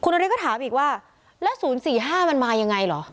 นาริสก็ถามอีกว่าแล้ว๐๔๕มันมายังไงเหรอ